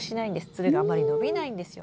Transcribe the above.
つるがあんまり伸びないんですよ。